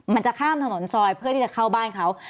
มันจะข้ามถนนซอยเพื่อที่จะเข้าบ้านเขา